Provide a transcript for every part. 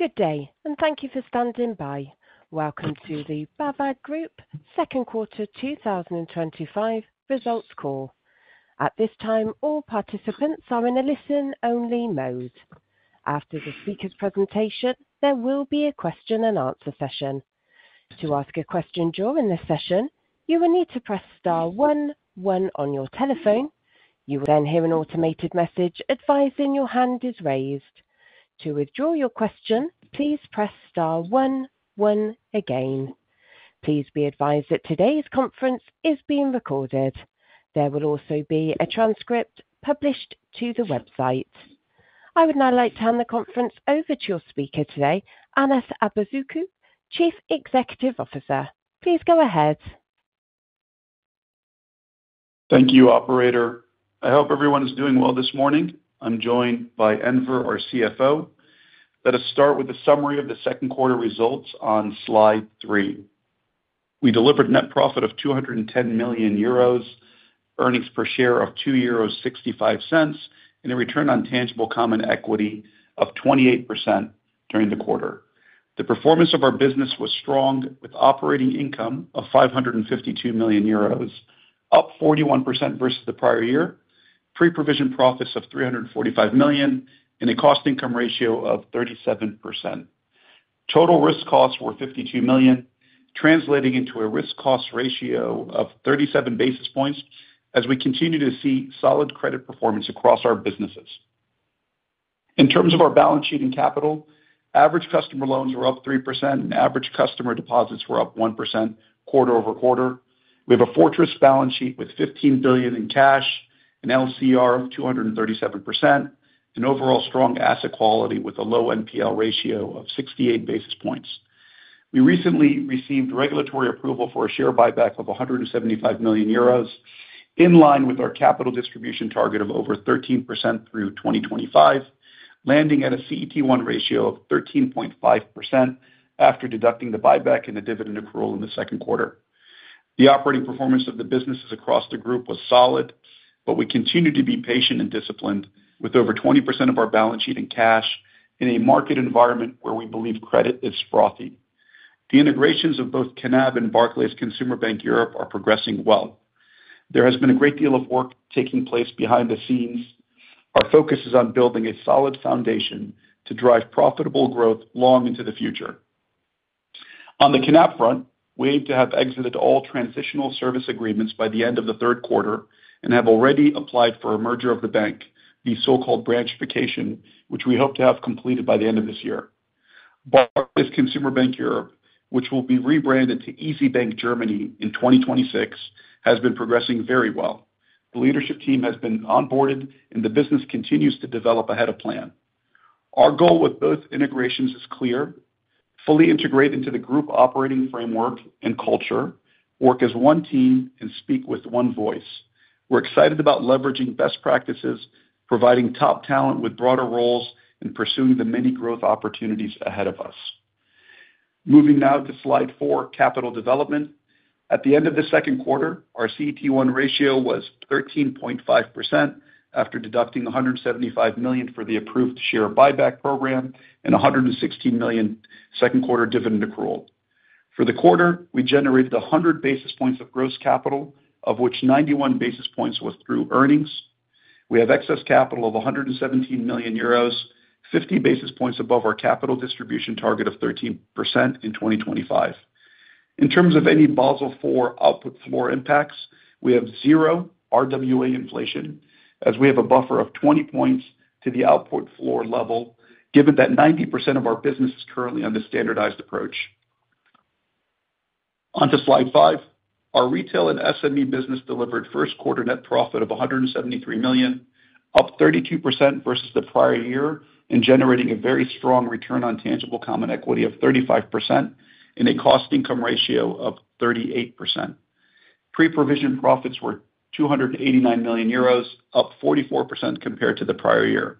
Good day, and thank you for standing by. Welcome to the BAWAG Group Second Quarter 2025 Results Call. At this time, all participants are in a listen-only mode. After the speaker's presentation, there will be a question-and-answer session. To ask a question during this session, you will need to press Star one, one on your telephone. You will then hear an automated message advising your hand is raised. To withdraw your question, please press Star one, one again. Please be advised that today's conference is being recorded. There will also be a transcript published to the website. I would now like to hand the conference over to your speaker today, Anas Abuzaakouk, Chief Executive Officer. Please go ahead. Thank you, Operator. I hope everyone is doing well this morning. I'm joined by Enver, our CFO. Let us start with a summary of the second quarter results on slide three. We delivered net profit of 210 million euros, earnings per share of 2.65 euros, and a return on tangible common equity of 28% during the quarter. The performance of our business was strong, with operating income of 552 million euros, up 41% versus the prior year, pre-provision profits of 345 million, and a cost-income ratio of 37%. Total risk costs were 52 million, translating into a risk-cost ratio of 37 basis points, as we continue to see solid credit performance across our businesses. In terms of our balance sheet and capital, average customer loans were up 3%, and average customer deposits were up 1% quarter over quarter. We have a fortress balance sheet with 15 billion in cash, an LCR of 237%, and overall strong asset quality with a low NPL ratio of 68 basis points. We recently received regulatory approval for a share buyback of 175 million euros, in line with our capital distribution target of over 13% through 2025, landing at a CET1 ratio of 13.5% after deducting the buyback and the dividend accrual in the second quarter. The operating performance of the businesses across the group was solid, but we continue to be patient and disciplined, with over 20% of our balance sheet in cash in a market environment where we believe credit is frothy. The integrations of both Knab and Barclays Consumer Bank Europe are progressing well. There has been a great deal of work taking place behind the scenes. Our focus is on building a solid foundation to drive profitable growth long into the future. On the Knab front, we aim to have exited all transitional service agreements by the end of the third quarter and have already applied for a merger of the bank, the so-called branchification, which we hope to have completed by the end of this year. Barclays Consumer Bank Europe, which will be rebranded to Easy Bank Germany in 2026, has been progressing very well. The leadership team has been onboarded, and the business continues to develop ahead of plan. Our goal with both integrations is clear: fully integrate into the group operating framework and culture, work as one team, and speak with one voice. We're excited about leveraging best practices, providing top talent with broader roles, and pursuing the many growth opportunities ahead of us. Moving now to slide four, capital development. At the end of the second quarter, our CET1 ratio was 13.5% after deducting 175 million for the approved share buyback program and 116 million second quarter dividend accrual. For the quarter, we generated 100 basis points of gross capital, of which 91 basis points was through earnings. We have excess capital of 117 million euros, 50 basis points above our capital distribution target of 13% in 2025. In terms of any Basel IV output floor impacts, we have zero RWA inflation, as we have a buffer of 20 points to the output floor level, given that 90% of our business is currently on the standardized approach. Onto slide five, our retail and SME business delivered first quarter net profit of 173 million, up 32% versus the prior year, and generating a very strong return on tangible common equity of 35% and a cost-income ratio of 38%. Pre-provision profits were 289 million euros, up 44% compared to the prior year.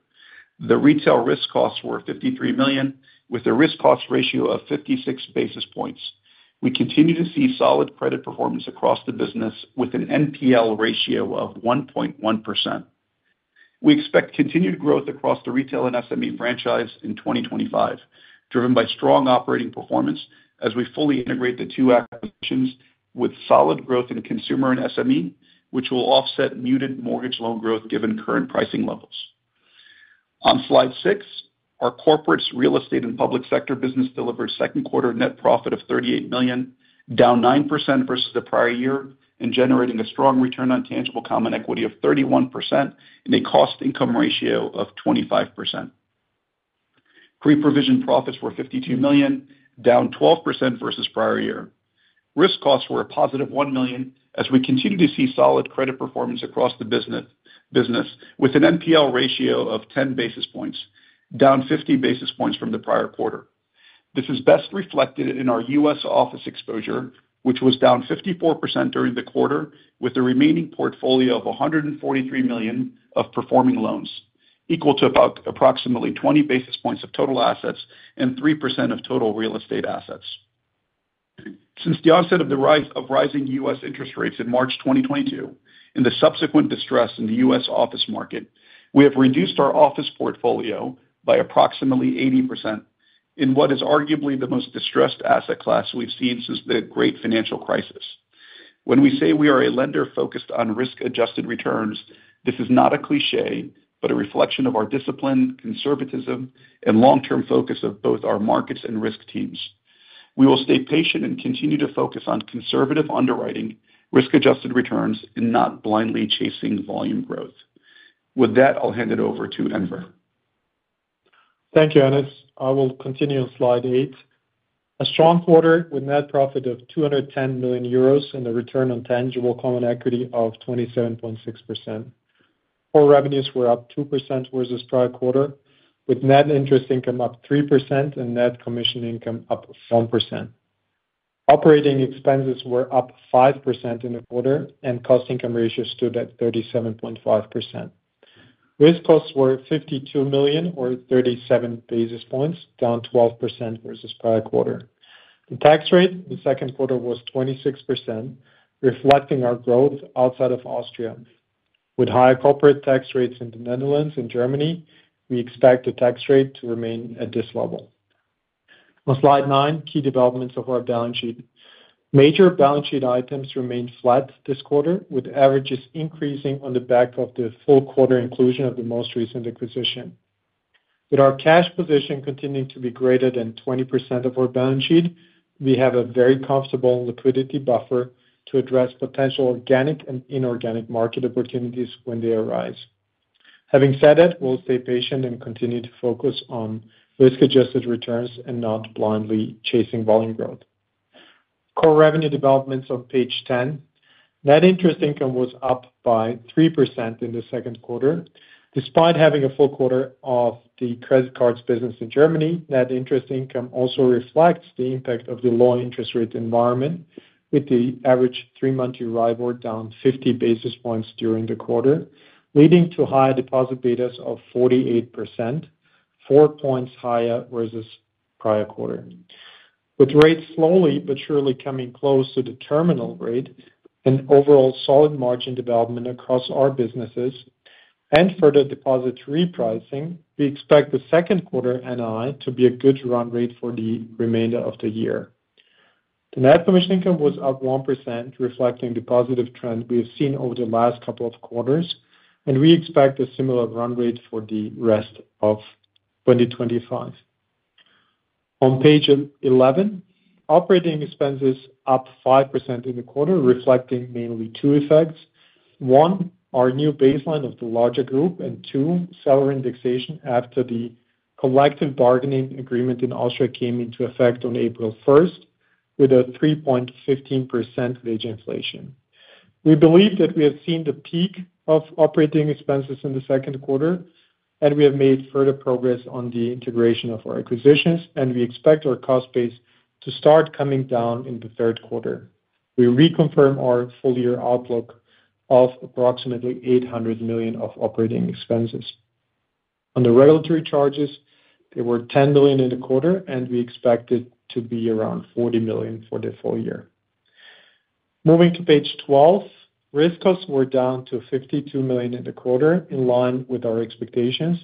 The retail risk costs were 53 million, with a risk-cost ratio of 56 basis points. We continue to see solid credit performance across the business, with an NPL ratio of 1.1%. We expect continued growth across the retail and SME franchise in 2025, driven by strong operating performance as we fully integrate the two acquisitions, with solid growth in consumer and SME, which will offset muted mortgage loan growth given current pricing levels. On slide six, our corporate real estate and public sector business delivered second quarter net profit of 38 million, down 9% versus the prior year, and generating a strong return on tangible common equity of 31% and a cost-income ratio of 25%. Pre-provision profits were 52 million, down 12% versus prior year. Risk costs were a positive 1 million, as we continue to see solid credit performance across the business, with an NPL ratio of 10 basis points, down 50 basis points from the prior quarter. This is best reflected in our U.S. office exposure, which was down 54% during the quarter, with the remaining portfolio of 143 million of performing loans, equal to approximately 20 basis points of total assets and 3% of total real estate assets. Since the onset of the rise of rising U.S. interest rates in March 2022 and the subsequent distress in the U.S. office market, we have reduced our office portfolio by approximately 80% in what is arguably the most distressed asset class we've seen since the Great Financial Crisis. When we say we are a lender focused on risk-adjusted returns, this is not a cliché, but a reflection of our discipline, conservatism, and long-term focus of both our markets and risk teams. We will stay patient and continue to focus on conservative underwriting, risk-adjusted returns, and not blindly chasing volume growth. With that, I'll hand it over to Enver. Thank you, Anas. I will continue on slide eight. A strong quarter with net profit of 210 million euros and a return on tangible common equity of 27.6%. Core revenues were up 2% versus prior quarter, with net interest income up 3% and net commission income up 1%. Operating expenses were up 5% in the quarter, and cost-income ratio stood at 37.5%. Risk costs were 52 million, or 37 basis points, down 12% versus prior quarter. The tax rate in the second quarter was 26%, reflecting our growth outside of Austria. With higher corporate tax rates in the Netherlands and Germany, we expect the tax rate to remain at this level. On slide nine, key developments of our balance sheet. Major balance sheet items remained flat this quarter, with averages increasing on the back of the full quarter inclusion of the most recent acquisition. With our cash position continuing to be greater than 20% of our balance sheet, we have a very comfortable liquidity buffer to address potential organic and inorganic market opportunities when they arise. Having said that, we'll stay patient and continue to focus on risk-adjusted returns and not blindly chasing volume growth. Core revenue developments on page 10. Net interest income was up by 3% in the second quarter. Despite having a full quarter of the credit cards business in Germany, net interest income also reflects the impact of the low interest rate environment, with the average three-month arrival down 50 basis points during the quarter, leading to high deposit betas of 48%, four points higher versus prior quarter. With rates slowly but surely coming close to the terminal rate and overall solid margin development across our businesses and further deposit repricing, we expect the second quarter NII to be a good run rate for the remainder of the year. The net commission income was up 1%, reflecting the positive trend we have seen over the last couple of quarters, and we expect a similar run rate for the rest of 2025. On page 11, operating expenses up 5% in the quarter, reflecting mainly two effects. One, our new baseline of the larger group, and two, salary indexation after the collective bargaining agreement in Austria came into effect on April 1st, with a 3.15% wage inflation. We believe that we have seen the peak of operating expenses in the second quarter, and we have made further progress on the integration of our acquisitions, and we expect our cost base to start coming down in the third quarter. We reconfirm our full year outlook of approximately 800 million of operating expenses. On the regulatory charges, they were 10 million in the quarter, and we expect it to be around 40 million for the full year. Moving to page 12, risk costs were down to 52 million in the quarter, in line with our expectations.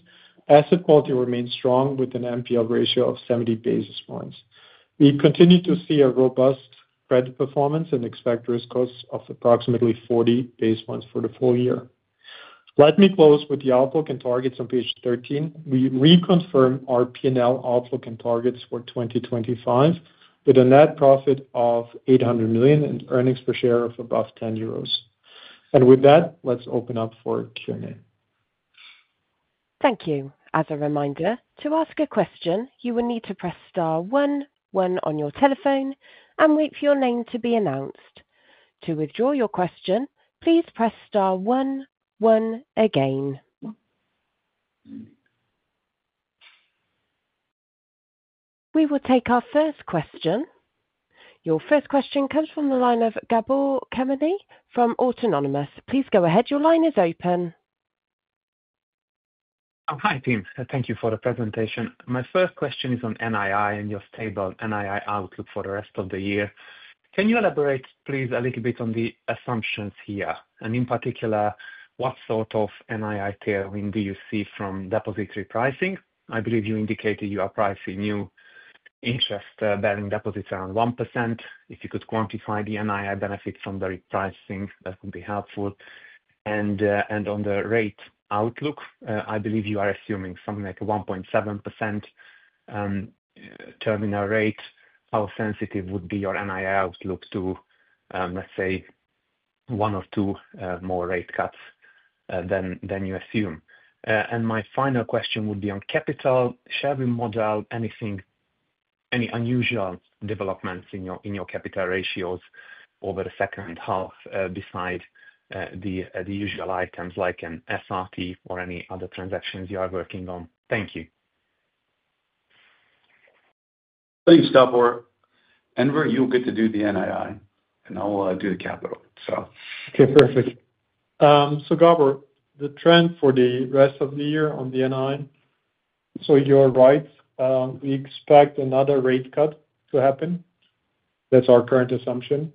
Asset quality remained strong with an NPL ratio of 70 basis points. We continue to see a robust credit performance and expect risk costs of approximately 40 basis points for the full year. Let me close with the outlook and targets on page 13. We reconfirm our P&L outlook and targets for 2025, with a net profit of 800 million and earnings per share of above 10 euros. With that, let's open up for Q&A. Thank you. As a reminder, to ask a question, you will need to press star one, one on your telephone, and wait for your name to be announced. To withdraw your question, please press star one, one again. We will take our first question. Your first question comes from the line of Gabor Kemeny from Autonomous. Please go ahead. Your line is open. Hi, team. Thank you for the presentation. My first question is on NII and your stable NII outlook for the rest of the year. Can you elaborate, please, a little bit on the assumptions here? In particular, what sort of NII tailwind do you see from deposit repricing? I believe you indicated you are pricing new interest-bearing deposits around 1%. If you could quantify the NII benefit from the repricing, that would be helpful. On the rate outlook, I believe you are assuming something like a 1.7% terminal rate. How sensitive would your NII outlook be to, let's say, one or two more rate cuts than you assume? My final question would be on capital. Share with model, anything, any unusual developments in your capital ratios over the second half beside the usual items like an SRT or any other transactions you are working on? Thank you. Thanks, Gabor. Enver, you'll get to do the NII, and I'll do the capital. Okay, perfect. Gabor, the trend for the rest of the year on the NII. You're right. We expect another rate cut to happen. That's our current assumption.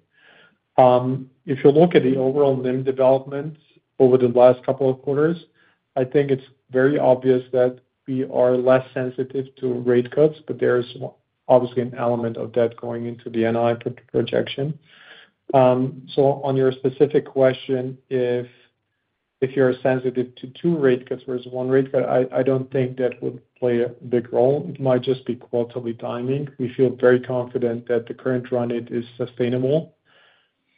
If you look at the overall NIM development over the last couple of quarters, I think it's very obvious that we are less sensitive to rate cuts, but there's obviously an element of that going into the NII projection. On your specific question, if you're sensitive to two rate cuts versus one rate cut, I don't think that would play a big role. It might just be quarterly timing. We feel very confident that the current run is sustainable.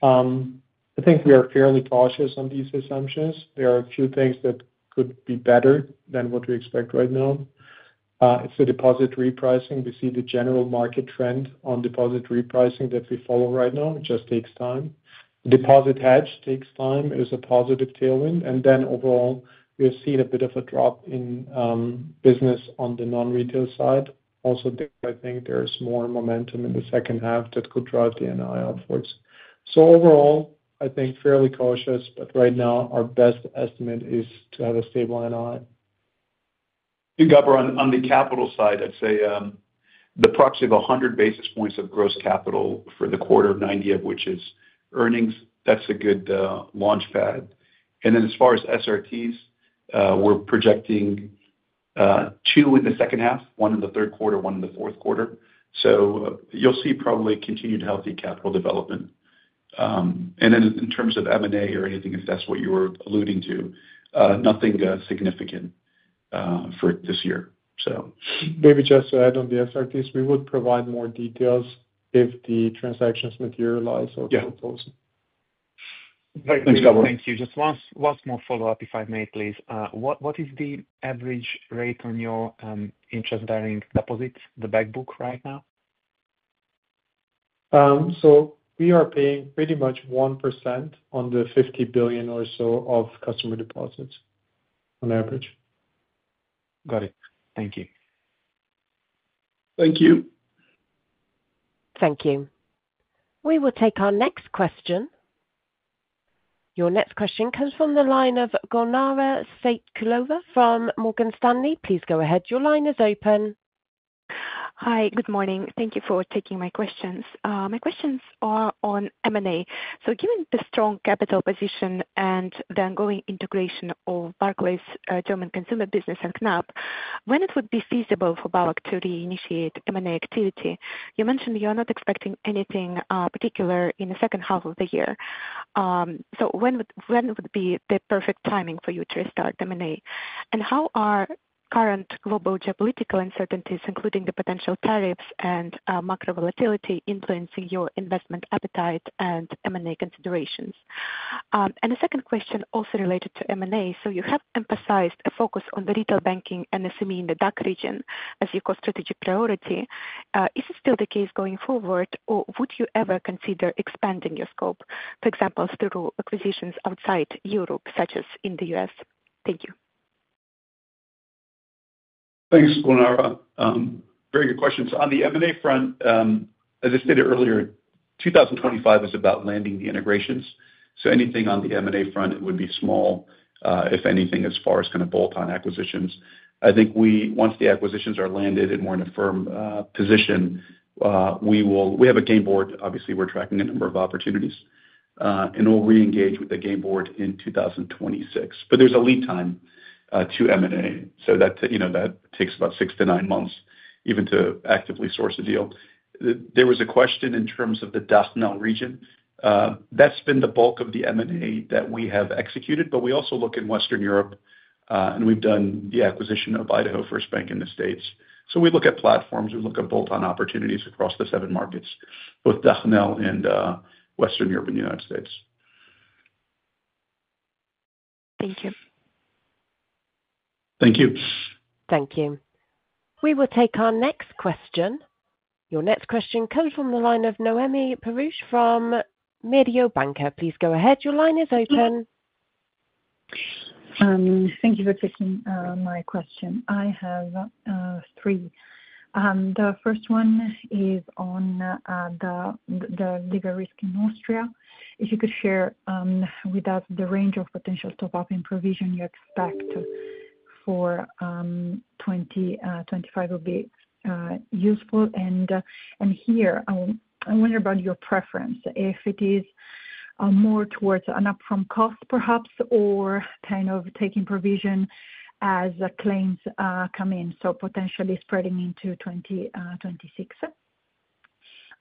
I think we are fairly cautious on these assumptions. There are a few things that could be better than what we expect right now. It's the deposit repricing. We see the general market trend on deposit repricing that we follow right now. It just takes time. The deposit hedge takes time. It is a positive tailwind. Overall, we have seen a bit of a drop in business on the non-retail side. Also, I think there's more momentum in the second half that could drive the NII outwards. Overall, I think fairly cautious, but right now, our best estimate is to have a stable NII. Gabor, on the capital side, I'd say. The proxy of 100 basis points of gross capital for the quarter, 90 of which is earnings, that's a good launchpad. Then as far as SRTs, we're projecting two in the second half, one in the third quarter, one in the fourth quarter. You'll see probably continued healthy capital development. In terms of M&A or anything, if that's what you were alluding to, nothing significant for this year. Maybe just to add on the SRTs, we would provide more details if the transactions materialize or propose. Yeah. Thanks, Gabor. Thank you. Just one more follow-up, if I may, please. What is the average rate on your interest-bearing deposits, the backbook right now? We are paying pretty much 1% on the 50 billion or so of customer deposits on average. Got it. Thank you. Thank you. Thank you. We will take our next question. Your next question comes from the line of Gulnara Saitkulova from Morgan Stanley. Please go ahead. Your line is open. Hi, good morning. Thank you for taking my questions. My questions are on M&A. Given the strong capital position and the ongoing integration of Barclays' German consumer business, and Knab, when it would be feasible for BAWAG to reinitiate M&A activity? You mentioned you are not expecting anything particular in the second half of the year. When would be the perfect timing for you to restart M&A? How are current global geopolitical uncertainties, including the potential tariffs and macro volatility, influencing your investment appetite and M&A considerations? The second question also related to M&A. You have emphasized a focus on the retail banking and SME in the DACH region as your core strategic priority. Is it still the case going forward, or would you ever consider expanding your scope, for example, through acquisitions outside Europe, such as in the U.S.? Thank you. Thanks, Gulnara. Very good questions. On the M&A front. As I stated earlier, 2025 is about landing the integrations. So anything on the M&A front, it would be small. If anything, as far as kind of bolt-on acquisitions. I think once the acquisitions are landed and we're in a firm position. We have a game board. Obviously, we're tracking a number of opportunities. We'll re-engage with the game board in 2026. There's a lead time to M&A. That takes about six to nine months even to actively source a deal. There was a question in terms of the DACH/NL region. That's been the bulk of the M&A that we have executed, but we also look in Western Europe, and we've done the acquisition of Idaho First Bank in the States. We look at platforms. We look at bolt-on opportunities across the seven markets, both DACH/NL and Western Europe and the United States. Thank you. Thank you. Thank you. We will take our next question. Your next question comes from the line of Noemi Peruch from Mediobanca. Please go ahead. Your line is open. Thank you for taking my question. I have three. The first one is on the lever risk in Austria. If you could share with us the range of potential top-up and provision you expect for 2025, it would be useful. Here, I wonder about your preference, if it is more towards an upfront cost, perhaps, or kind of taking provision as claims come in, so potentially spreading into 2026.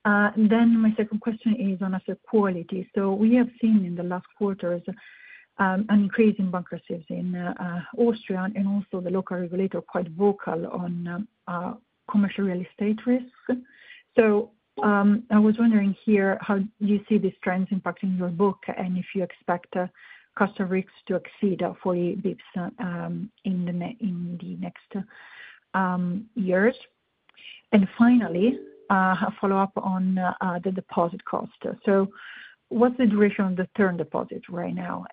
My second question is on asset quality. We have seen in the last quarters an increase in bankruptcies in Austria and also the local regulator quite vocal on commercial real estate risks. I was wondering here, how do you see these trends impacting your book and if you expect customer risks to exceed 40 bps in the next years? Finally, a follow-up on the deposit cost. What's the duration of the term deposit right now?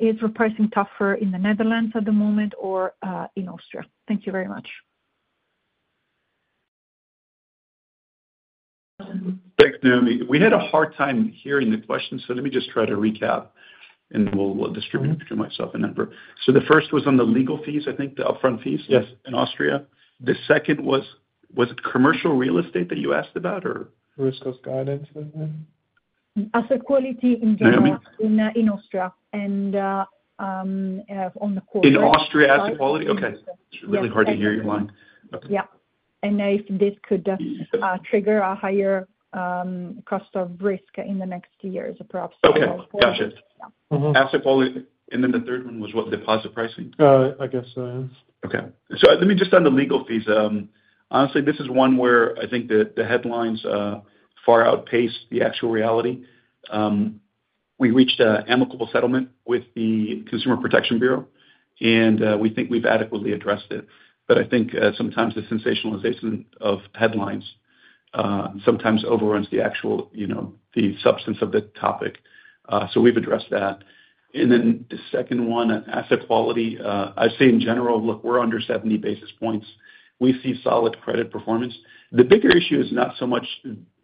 Is repricing tougher in the Netherlands at the moment or in Austria? Thank you very much. Thanks, Noemi. We had a hard time hearing the question, so let me just try to recap, and we'll distribute it between myself and Enver. The first was on the legal fees, I think, the upfront fees. Yes. In Austria. The second was, was it commercial real estate that you asked about, or? Risk of guidance, was it? Asset quality in general. Noemi? In Austria and on the quarter. In Austria, asset quality? Okay. Really hard to hear your line. Yeah. If this could trigger a higher cost of risk in the next years, perhaps. Okay. Gotcha. Asset quality. And then the third one was what? Deposit pricing? I guess so, yes. Okay. Let me just on the legal fees. Honestly, this is one where I think that the headlines far outpace the actual reality. We reached an amicable settlement with the Consumer Protection Bureau, and we think we've adequately addressed it. I think sometimes the sensationalization of headlines sometimes overruns the actual substance of the topic. We've addressed that. The second one, asset quality, I'd say in general, look, we're under 70 basis points. We see solid credit performance. The bigger issue is not so much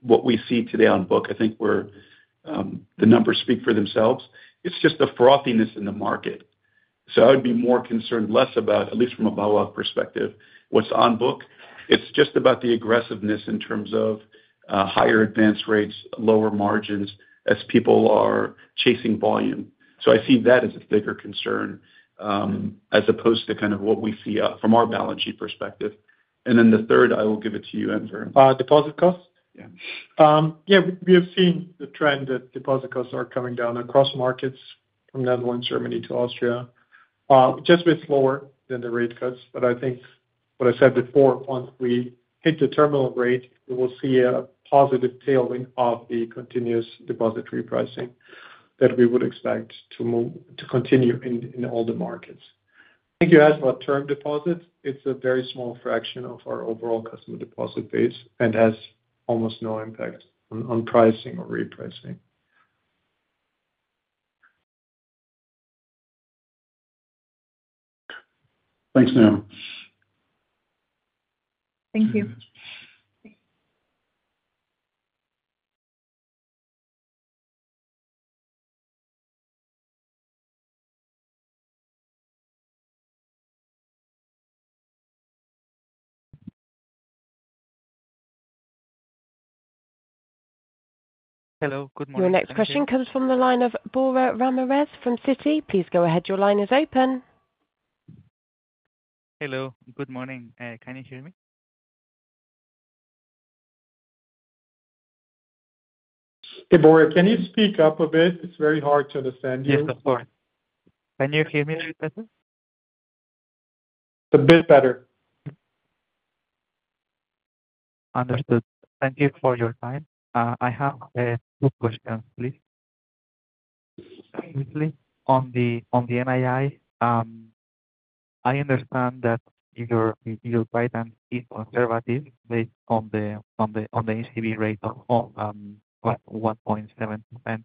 what we see today on book. I think the numbers speak for themselves. It's just the frothiness in the market. I would be more concerned less about, at least from a BAWAG perspective, what's on book. It's just about the aggressiveness in terms of higher advance rates, lower margins as people are chasing volume. I see that as a bigger concern as opposed to kind of what we see from our balance sheet perspective. The third, I will give it to you, Enver. Deposit costs? Yeah. Yeah, we have seen the trend that deposit costs are coming down across markets from Netherlands, Germany, to Austria. Just a bit slower than the rate cuts. I think what I said before, once we hit the terminal rate, we will see a positive tailwind of the continuous deposit repricing that we would expect to continue in all the markets. I think you asked about term deposits. It's a very small fraction of our overall customer deposit base and has almost no impact on pricing or repricing. Thanks, Noemi. Thank you. Hello, good morning. Your next question comes from the line of Borja Ramirez from Citi. Please go ahead. Your line is open. Hello, good morning. Can you hear me? Hey, Borja, can you speak up a bit? It's very hard to understand you. Yes, of course. Can you hear me a little better? It's a bit better. Understood. Thank you for your time. I have two questions, please. Firstly, on the NII. I understand that your guidance is conservative based on the ECB rate of 1.7%.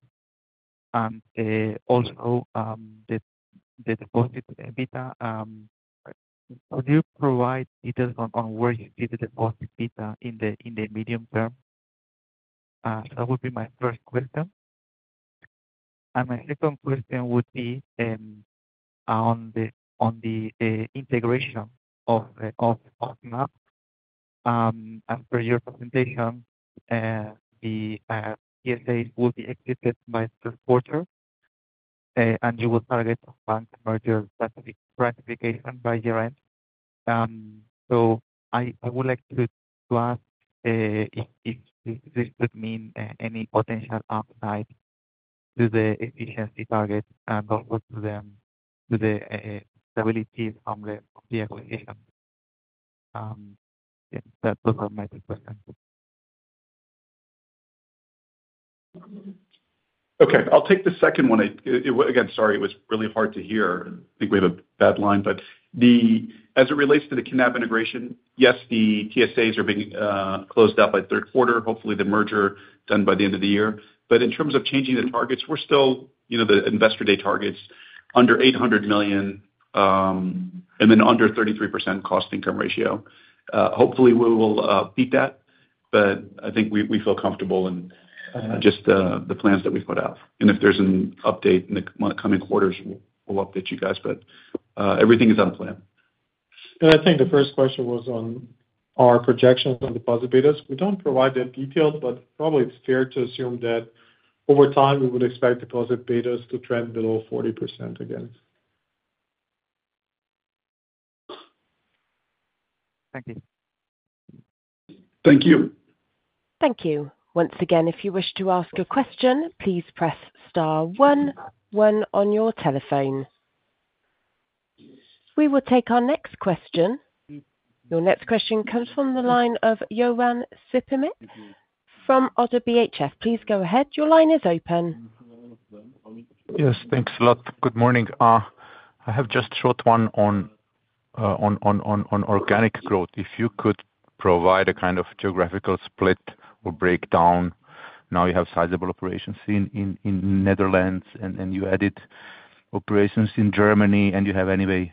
Also, the deposit beta. Could you provide details on where you see the deposit beta in the medium term? That would be my first question. My second question would be on the integration of Knab. As per your presentation, the TSAs will be exited by third quarter and you will target bank merger classification by year-end. I would like to ask if this would mean any potential upside to the efficiency target and also to the stability from the acquisition. Those are my two questions. Okay. I'll take the second one. Again, sorry, it was really hard to hear. I think we have a bad line, but. As it relates to the Knab integration, yes, the TSAs are being closed up by third quarter. Hopefully, the merger done by the end of the year. In terms of changing the targets, we're still the investor-day targets, under EUR 800 million. Under 33% cost-income ratio. Hopefully, we will beat that. I think we feel comfortable in just the plans that we've put out. If there's an update in the coming quarters, we'll update you guys. Everything is on plan. I think the first question was on our projections on deposit betas. We do not provide that detail, but probably it is fair to assume that over time, we would expect deposit betas to trend below 40% again. Thank you. Thank you. Thank you. Once again, if you wish to ask a question, please press star one, one on your telephone. We will take our next question. Your next question comes from the line of Jovan Sikimic from ODDO BHF. Please go ahead. Your line is open. Yes, thanks a lot. Good morning. I have just short one on organic growth. If you could provide a kind of geographical split or breakdown. Now you have sizable operations in Netherlands, and you added operations in Germany, and you have anyway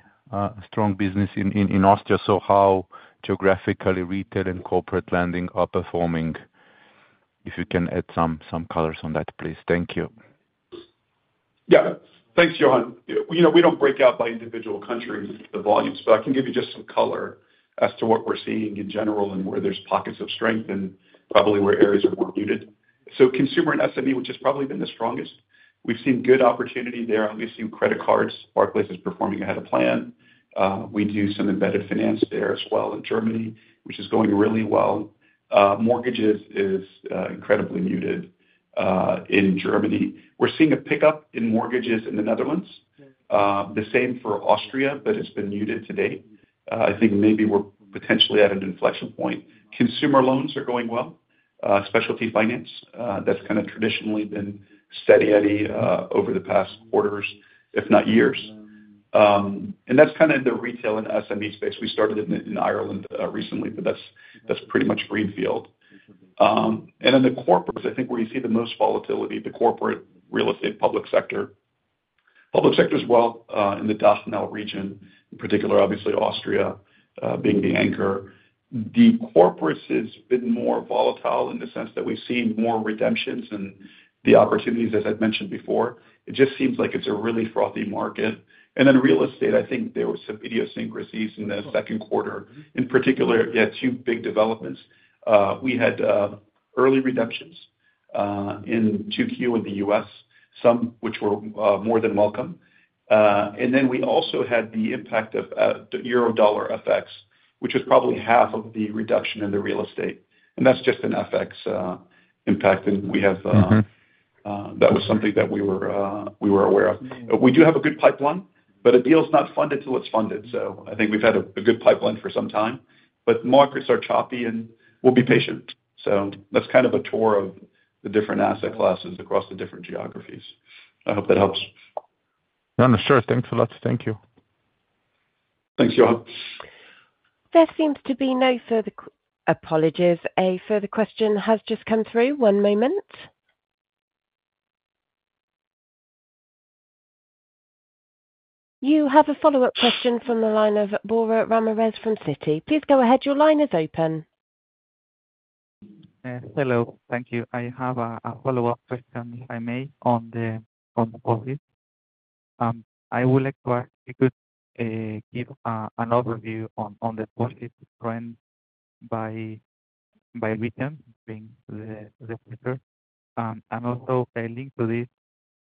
strong business in Austria. How geographically retail and corporate lending are performing? If you can add some colors on that, please. Thank you. Yeah. Thanks, Jovan. We do not break out by individual countries, the volumes. But I can give you just some color as to what we are seeing in general and where there are pockets of strength and probably where areas are more muted. So consumer and SME, which has probably been the strongest, we have seen good opportunity there. We have seen credit cards, obviously is performing ahead of plan. We do some embedded finance there as well in Germany, which is going really well. Mortgages is incredibly muted. In Germany, we are seeing a pickup in mortgages in the Netherlands. The same for Austria, but it has been muted to date. I think maybe we are potentially at an inflection point. Consumer loans are going well. Specialty finance, that is kind of traditionally been steady over the past quarters, if not years. And that is kind of the retail and SME space. We started in Ireland recently, but that is pretty much Greenfield. Then the corporates, I think where you see the most volatility, the corporate real estate public sector. Public sector is well in the DACH/NL region, in particular, obviously, Austria being the anchor. The corporates has been more volatile in the sense that we have seen more redemptions and the opportunities, as I have mentioned before. It just seems like it is a really frothy market. Real estate, I think there were some idiosyncrasies in the second quarter. In particular, you had two big developments. We had early redemptions. In Q2 in the U.S., some which were more than welcome. We also had the impact of euro dollar FX, which was probably half of the reduction in the real estate. That is just an FX impact. We have, that was something that we were aware of. We do have a good pipeline, but a deal is not funded till it is funded. I think we have had a good pipeline for some time. Markets are choppy, and we will be patient. That is kind of a tour of the different asset classes across the different geographies. I hope that helps. No, sure. Thanks a lot. Thank you. Thanks, Jovan. There seems to be no further apologies. A further question has just come through. One moment. You have a follow-up question from the line of Borja Ramirez from Citi. Please go ahead. Your line is open. Hello. Thank you. I have a follow-up question, if I may, on the deposits. I would like to ask if you could give an overview on the deposit trend by weekends being the quarter. Also, a link to this,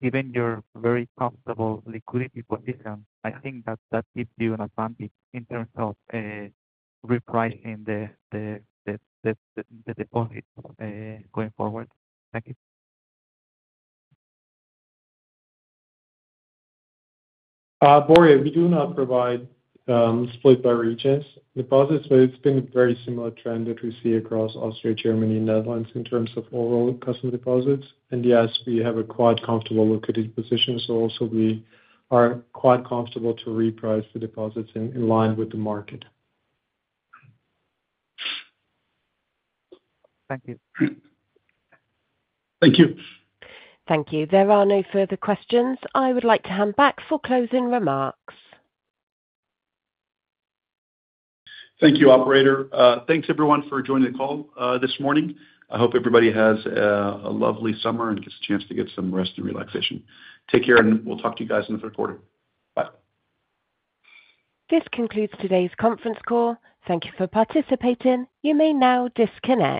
given your very comfortable liquidity position, I think that that gives you an advantage in terms of repricing the deposit going forward. Thank you. Borja, we do not provide split by regions. Deposits, but it's been a very similar trend that we see across Austria, Germany, Netherlands in terms of overall customer deposits. Yes, we have a quite comfortable liquidity position, so also we are quite comfortable to reprice the deposits in line with the market. Thank you. Thank you. Thank you. There are no further questions. I would like to hand back for closing remarks. Thank you, operator. Thanks, everyone, for joining the call this morning. I hope everybody has a lovely summer and gets a chance to get some rest and relaxation. Take care, and we'll talk to you guys in the third quarter. Bye. This concludes today's conference call. Thank you for participating. You may now disconnect.